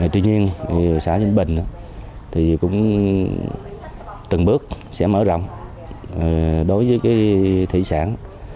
tuy nhiên xã vĩnh bình thì cũng từng bước sẽ mở rộng đối với cái thị sản